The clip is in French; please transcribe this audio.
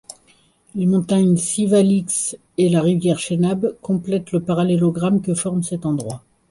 Les montagnes Sivaliks et la rivière Chenab complètent le parallélogramme que forme cet endroit.